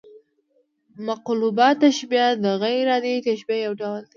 مقلوبه تشبیه د غـير عادي تشبیه یو ډول دئ.